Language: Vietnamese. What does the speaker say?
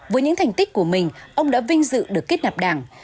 với những thành tích của mình ông đã vinh dự được kết nạp đảng